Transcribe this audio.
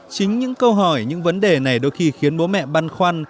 chính những câu hỏi những vấn đề này đôi khi khiến bố mẹ băn khoăn